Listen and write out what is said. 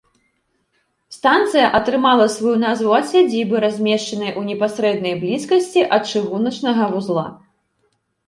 Станцыя атрымала сваю назву ад сядзібы, размешчанай у непасрэднай блізкасці ад чыгуначнага вузла.